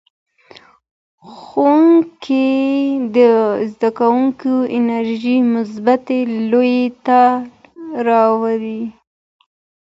ښوونکی د زدهکوونکو انرژي مثبتې لوري ته راوړي.